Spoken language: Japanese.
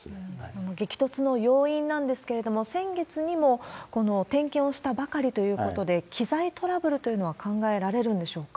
その激突の要因なんですけれども、先月にも点検をしたばかりということで、機材トラブルというのは考えられるんでしょうか？